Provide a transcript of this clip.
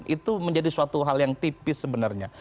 itu menjadi suatu hal yang tipis sebenarnya